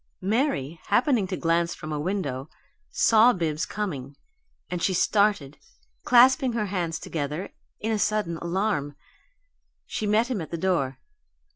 Mary, happening to glance from a window, saw Bibbs coming, and she started, clasping her hands together in a sudden alarm. She met him at the door.